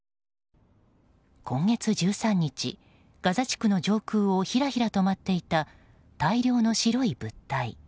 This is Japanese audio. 今月１３日、ガザ地区の上空をひらひらと舞っていた大量の白い物体。